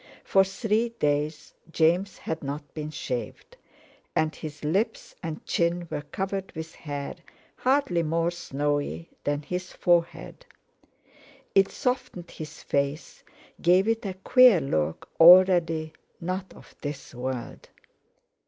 For three days James had not been shaved, and his lips and chin were covered with hair, hardly more snowy than his forehead. It softened his face, gave it a queer look already not of this world.